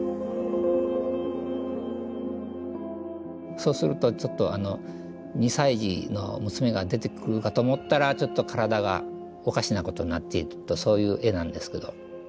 そうするとちょっと２歳児の娘が出てくるかと思ったらちょっと体がおかしなことになっているとそういう絵なんですけど。